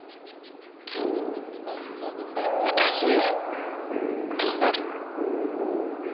私どうなるの？